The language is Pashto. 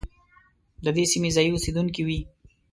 د دې سیمې ځايي اوسېدونکي وي.